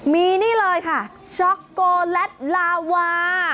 มีนี่เลยค่ะช็อกโกแลตลาวา